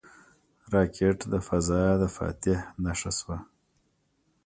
راکټ د فضا د فاتح نښه شوه